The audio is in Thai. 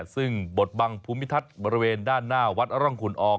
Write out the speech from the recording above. ซึ่งบทบังภูมิทัศน์บริเวณด้านหน้าวัดร่องขุนออก